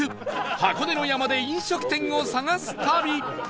箱根の山で飲食店を探す旅